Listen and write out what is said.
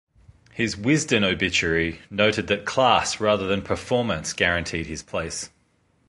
His "Wisden" obituary noted that "class rather than performance guaranteed his place.